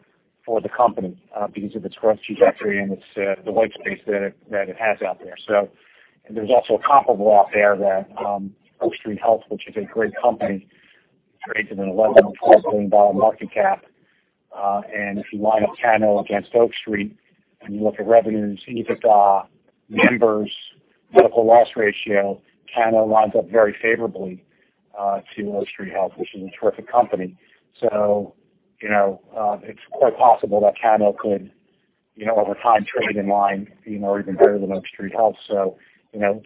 the company because of its growth trajectory and the white space that it has out there. There's also a comparable out there that Oak Street Health, which is a great company, trades at an $11 or $12 billion market cap. If you line up Cano against Oak Street Health and you look at revenues, EBITDA, members, medical loss ratio, Cano lines up very favorably to Oak Street Health, which is a terrific company. It's quite possible that Cano could over time trade in line even better than Oak Street Health. To us,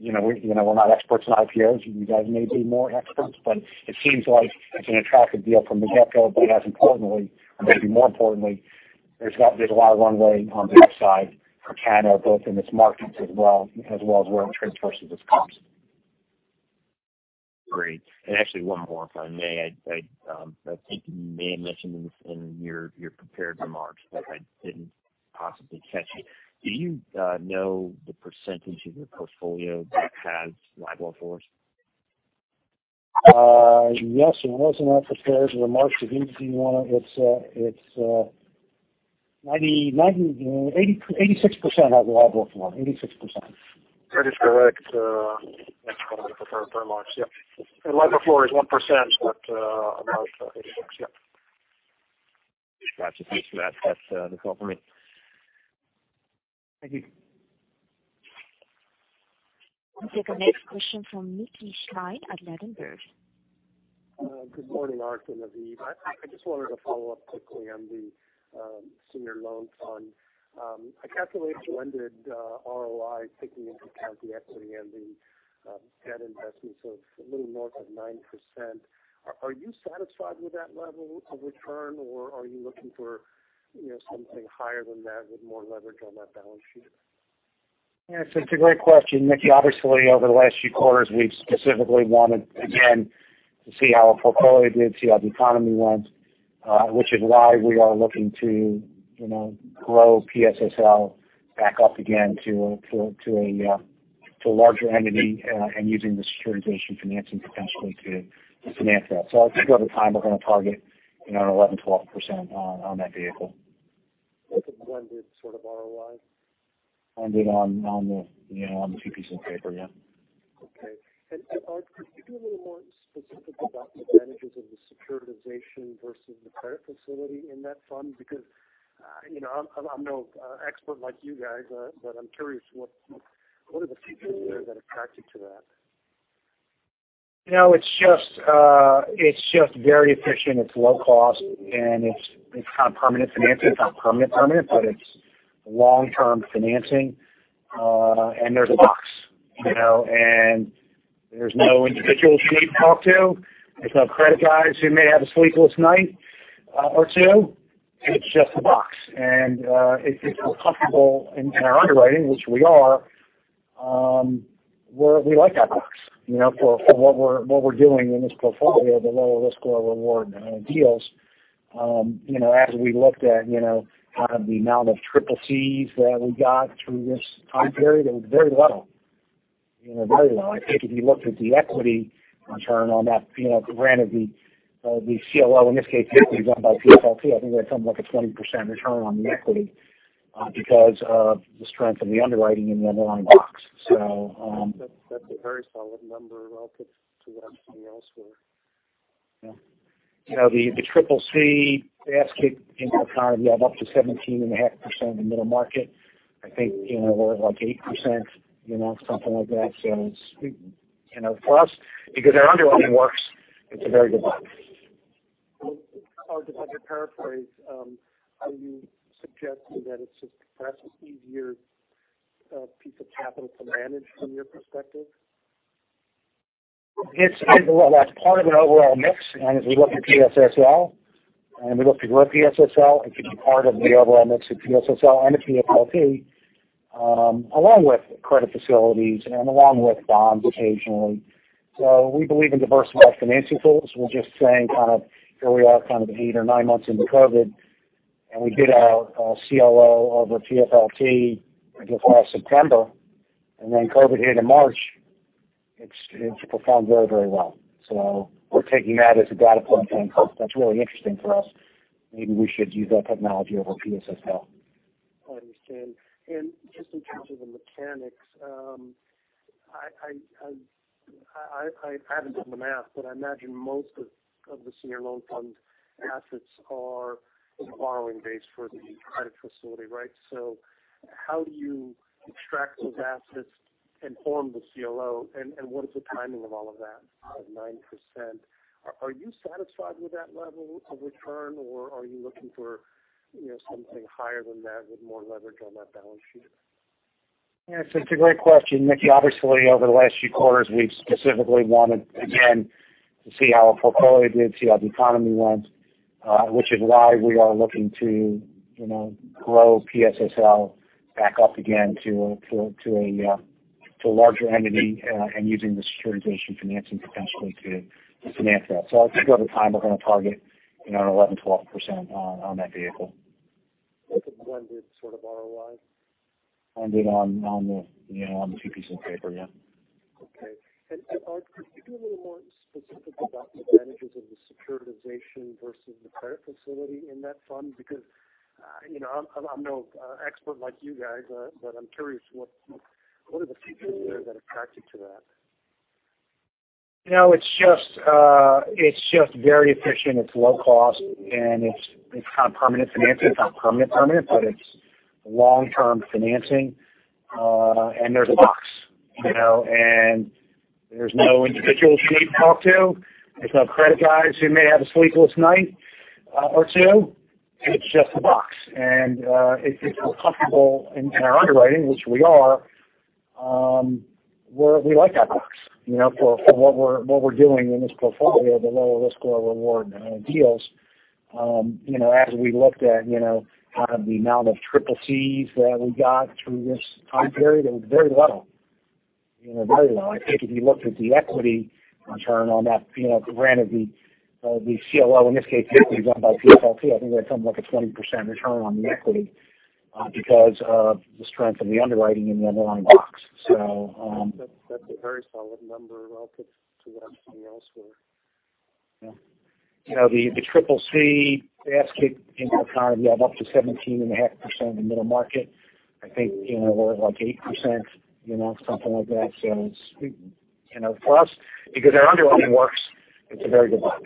we're not experts in IPOs. You guys may be more experts, but it seems like it's an attractive deal from the get-go. As importantly, or maybe more importantly, there's a lot of runway on the upside for Cano, both in its markets as well as where it trades versus its comps. Great. Actually one more, if I may. I think you may have mentioned this in your prepared remarks that I didn't possibly catch. Do you know the percentage of your portfolio that has LIBOR floors? Yes. It was in our prepared remarks. If you want to, it's 86% has LIBOR floor. 86%. That is correct. That's covered in the prepared remarks. Yeah. LIBOR floor is 1%, but about 86. Yeah. Gotcha. Thanks for that. That's all for me. Thank you. We'll take the next question from Mickey Schleien at Ladenburg. Good morning, Art and Aviv. I just wanted to follow up quickly on the senior loan fund. I calculated blended ROI taking into account the equity and the debt investments of a little north of 9%. Are you satisfied with that level of return, or are you looking for something higher than that with more leverage on that balance sheet? Yes, it's a great question, Mickey. Obviously, over the last few quarters, we've specifically wanted, again, to see how our portfolio did, see how the economy went, which is why we are looking to grow PSSL back up again to a larger entity, and using the securitization financing potentially to finance that. I think over time, we're going to target 11%, 12% on that vehicle. That's a blended sort of ROI? Blended on the two pieces of paper, yeah. Okay. Art, could you be a little more specific about the advantages of the securitization versus the credit facility in that fund? Because I'm no expert like you guys, but I'm curious, what are the features there that attract you to that? It's just very efficient. It's low cost, and it's kind of permanent financing. It's not permanent, but it's long-term financing. There's a box, and there's no individuals you need to talk to. There's no credit guys who may have a sleepless night or two. It's just a box. If we're comfortable in our underwriting, which we are, we like that box. For what we're doing in this portfolio, the lower risk, lower reward deals. As we looked at the amount of CCCs that we got through this time period, it was very low. Very low. I think if you looked at the equity return on that, granted the CLO in this case, technically run by PFLT, I think that's something like a 20% return on the equity because of the strength of the underwriting in the underlying box. That's a very solid number relative to what you see elsewhere. Yeah. The CCC basket in the economy, you have up to 17.5% in middle market. I think we're at, like, 8%, something like that. For us, because our underwriting works, it's a very good box.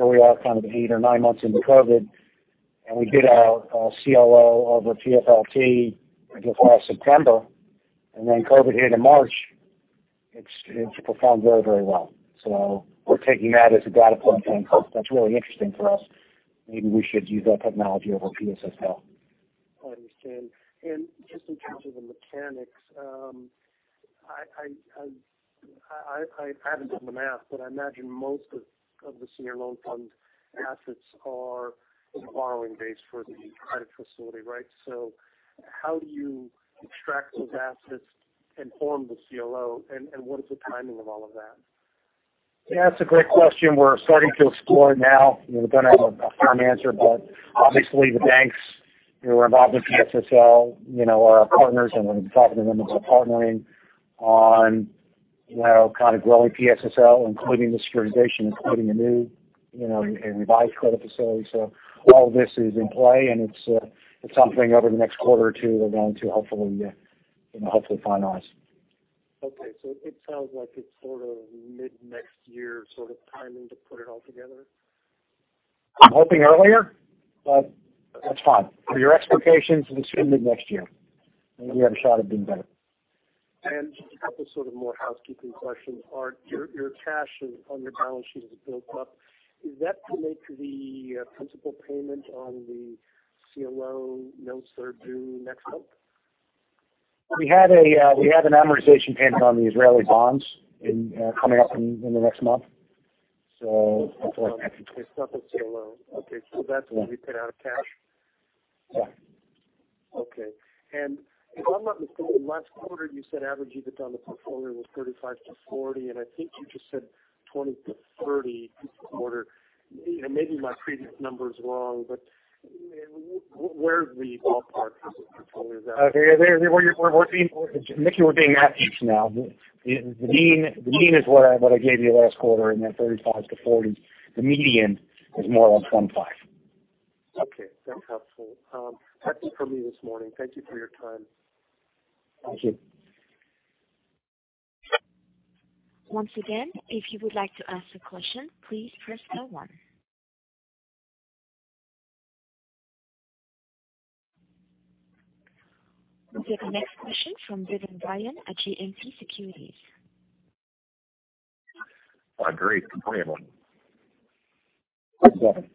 here we are kind of eight or nine months into COVID, and we did our CLO over PFLT, I guess, last September. COVID hit in March. It's performed very well. We're taking that as a data point saying, "Huh, that's really interesting for us. Maybe we should use that technology over PSSL. I understand. Just in terms of the mechanics. I haven't done the math, but I imagine most of the senior loan fund assets are the borrowing base for the credit facility, right? How do you extract those assets and form the CLO, and what is the timing of all of that? Yeah, that's a great question. We're starting to explore it now. We don't have a firm answer. Obviously the banks who are involved with PSSL are our partners, and we'll be talking to them about partnering on growing PSSL, including the securitization, including a revised credit facility. All this is in play, and it's something over the next quarter or two we're going to hopefully finalize. Okay. It sounds like it's mid-next year sort of timing to put it all together. I'm hoping earlier, that's fine. For your expectations, it's mid-next year. Maybe we have a shot at doing better. Just a couple more housekeeping questions. Your cash on your balance sheet has built up. Is that to make the principal payment on the CLO notes that are due next month? We have an amortization payment on the Israeli bonds coming up in the next month. It's not the CLO. Okay. Yeah. That will be paid out of cash? Yeah. Okay. If I'm not mistaken, last quarter, you said average EBITDA on the portfolio was 35-40, and I think you just said 20-30 this quarter. Maybe my previous number is wrong. Where the ballpark is of portfolio is that? Mickey, we're being at each now. The mean is what I gave you last quarter in that 35%-40%. The median is more like 25%. Okay. That's helpful. That's it for me this morning. Thank you for your time. Thank you. Once again, if you would like to ask a question, please press star one. We'll take the next question from Devin Ryan at JMP Securities. Hi, great. Good morning, everyone.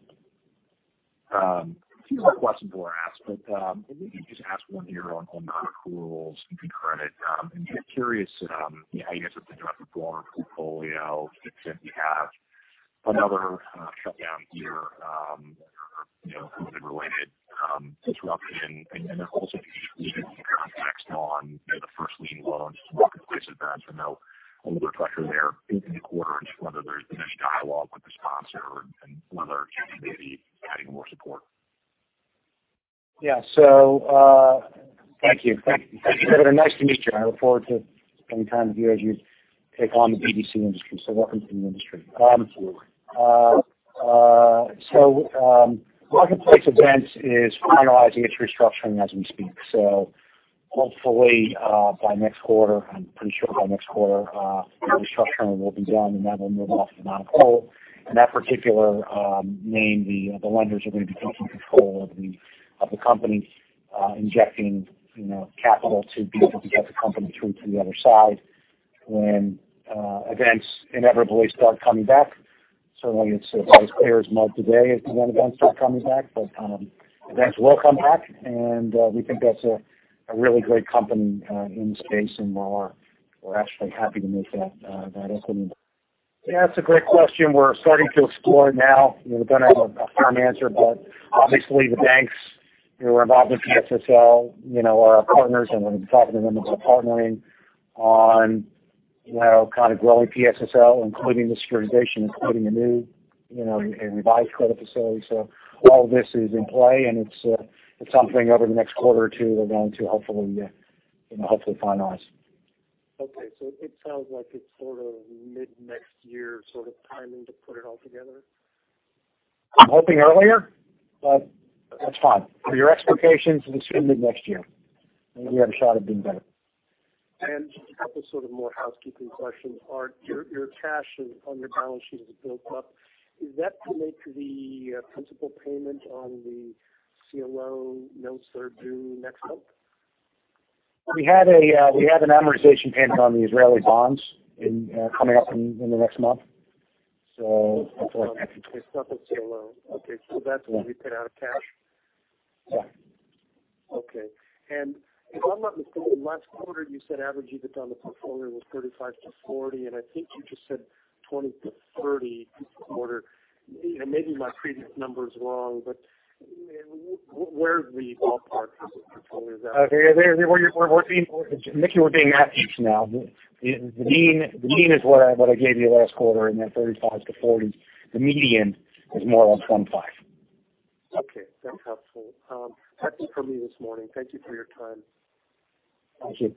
Hi, Devin. A few more questions before I ask, but let me just ask one here on non-accruals and credit. Just curious how you guys have been doing with the portfolio since you have another shutdown here or COVID-related disruption. Also can you just give context on the first lien loans for Marketplace Events? I know a little bit of pressure there in the quarter and just whether there's been any dialogue with the sponsor and whether you may be adding more support. Yeah. Thank you. Thank you, Devin. Nice to meet you. I look forward to spending time with you as you take on the BDC industry. Welcome to the industry. Thank you. Marketplace Events is finalizing its restructuring as we speak. Hopefully by next quarter, I'm pretty sure by next quarter, the restructuring will be done, and that will move off the non-accrual. In that particular name, the lenders are going to be taking control of the company, injecting capital to be able to get the company through to the other side when events inevitably start coming back. Certainly it's a clear as mud today as events start coming back. Events will come back, and we think that's a really great company in the space and we're actually happy to make that equity. Yeah, that's a great question. We're starting to explore it now. We don't have a firm answer. Obviously the banks who are involved with PSSL are our partners, and we'll be talking to them about partnering on growing PSSL, including the securitization, including a revised credit facility. All this is in play, and it's something over the next quarter or two we're going to hopefully finalize. Okay. It sounds like it's mid-next year sort of timing to put it all together. I'm hoping earlier, that's fine. For your expectations, it's mid-next year. Maybe we have a shot at doing better. Just a couple more housekeeping questions. Your cash on your balance sheet has built up. Is that to make the principal payment on the CLO notes that are due next month? We have an amortization payment on the Israeli bonds coming up in the next month. It's not the CLO. Okay. Yeah. That will be paid out of cash? Yeah. Okay. If I'm not mistaken, last quarter, you said average EBITDA on the portfolio was 35-40, and I think you just said 20-30 this quarter. Maybe my previous number is wrong. Where is the ballpark as a portfolio at? Okay. Mickey, we're being at each now. The mean is what I gave you last quarter in that 35-40. The median is more around 25. Okay. That's helpful. That's it for me this morning. Thank you for your time. Thank you.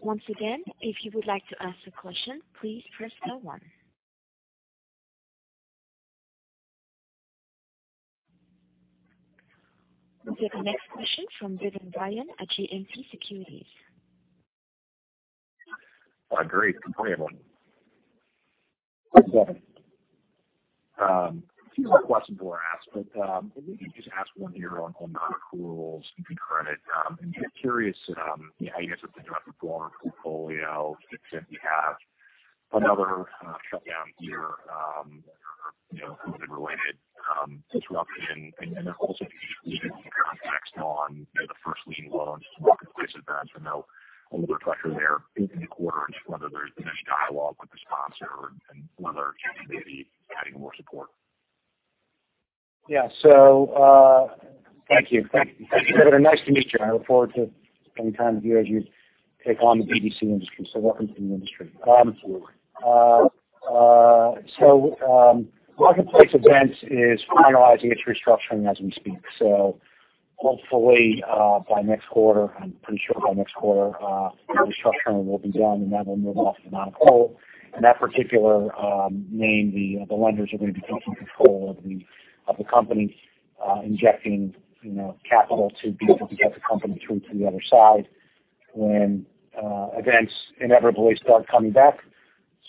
Once again, if you would like to ask a question, please press star one. We'll take the next question from Devin Ryan at JMP Securities. Hi, great to join everyone. Yes, Devin. A few quick questions were asked. Let me just ask one here on non-accruals and credit. I'm curious how you guys have been doing with the portfolio since we have another shutdown year or COVID-related disruption. Also, can you just give context on the first lien loans, Marketplace Events. I know a little pressure there in the quarter and just whether there's been any dialogue with the sponsor and whether you may be adding more support. Yeah. Thank you. Thank you, Devin. Nice to meet you. I look forward to spending time with you as you take on the BDC industry, so welcome to the industry. Thank you. Marketplace Events is finalizing its restructuring as we speak. Hopefully, by next quarter, I'm pretty sure by next quarter, the restructuring will be done and that will move off the non-accrual. In that particular name, the lenders are going to be taking control of the company, injecting capital to be able to get the company through to the other side when events inevitably start coming back.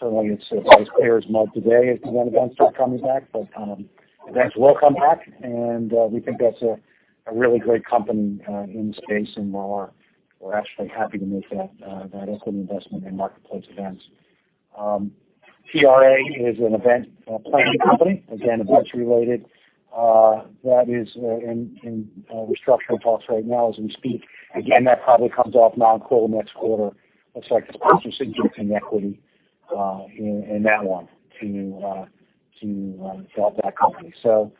Certainly, it's as clear as mud today as to when events start coming back. Events will come back, and we think that's a really great company in the space, and we're actually happy to make that equity investment in Marketplace Events. PRA is an event planning company, again, events related, that is in restructuring talks right now as we speak. Again, that probably comes off non-accrual next quarter. Looks like the sponsor's injecting equity in that one to develop that company. That's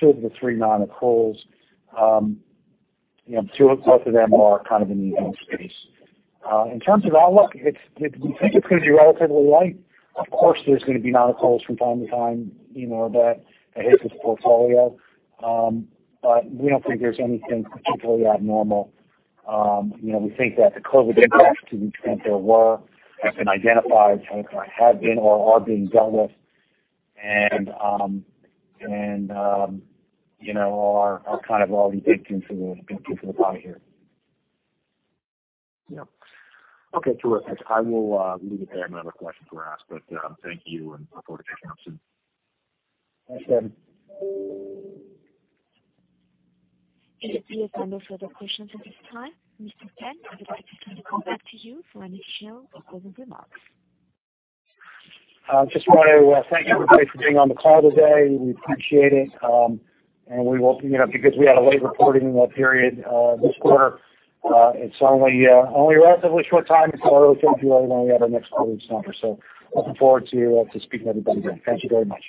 two of the three non-accruals. Both of them are kind of in the event space. In terms of outlook, we think it's going to be relatively light. Of course, there's going to be non-accruals from time to time that hits this portfolio. We don't think there's anything particularly abnormal. We think that the COVID impacts, to the extent there were, have been identified, have been or are being dealt with, and are kind of already baked into the pie here. Yep. Okay, terrific. I will leave it there. No other questions were asked, but thank you, and look forward to catching up soon. Thanks, Devin. It appears there are no further questions at this time. Mr. Penn, we'd like to turn the call back to you for any final or closing remarks. I just want to thank everybody for being on the call today. We appreciate it. Because we had a late reporting period this quarter, it's only a relatively short time until we'll give you all our next earnings number. Looking forward to speaking to everybody again. Thank you very much.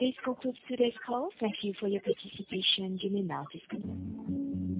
This concludes today's call. Thank you for your participation. You may now disconnect.